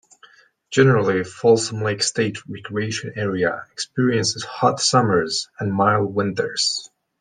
Generally, Folsom Lake State Recreation Area experiences hot summers and mild winters.